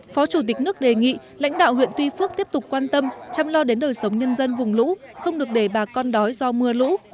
phó chủ tịch nước đề nghị lãnh đạo huyện tuy phước tiếp tục quan tâm chăm lo đến đời sống nhân dân vùng lũ không được để bà con đói do mưa lũ